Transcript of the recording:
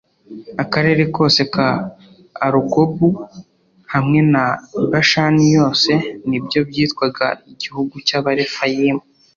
akarere kose ka arugobu hamwe na bashani yose ni byo byitwaga igihugu cy’abarefayimu.